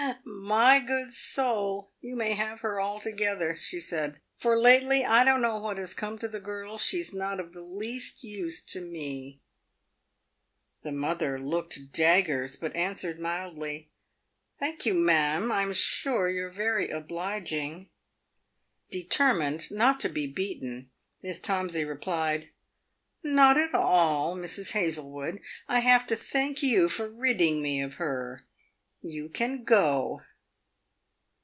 My good soul ! you may have her altogether," she said, " for lately — I don't know what has come to the girl — she's not of the least use to me." The mother looked daggers, but answered mildly, " Thank you, ma'am! I'm sure you're very obliging." Determined not to be beaten, Miss Tomsey replied, '• Not at all, Mrs. Hazlewood, I have to thank you for ridding me of her. You can go."